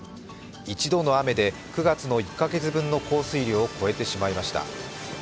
一度の雨で９月の１か月分の降水量を超えてしまいました。